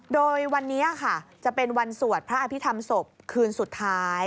โดยวันนี้ค่ะจะเป็นวันสวดพระอภิษฐรรมศพคืนสุดท้าย